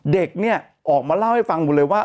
เด็กเนี่ยออกมาเล่าให้ฟังหมดเลยว่า